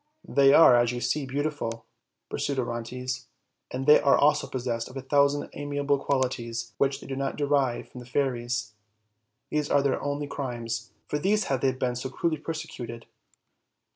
"They are, as you see, beautiful," pursued Orontes, "and they are also possessed of a thousand amiable qualities which they do not derive from the fairies; these are their only crimes; for these have they been so cruelly persecuted."